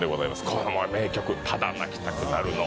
これも名曲「ただ泣きたくなるの」